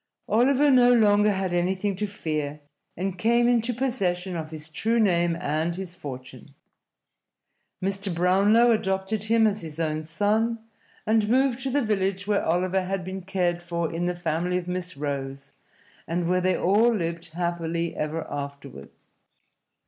Oliver no longer had anything to fear, and came into possession of his true name and his fortune. Mr. Brownlow adopted him as his own son, and moved to the village where Oliver had been cared for in the family of Miss Rose, and where they all lived happily ever afterward.